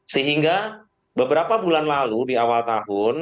sehingga beberapa bulan lalu di awal tahun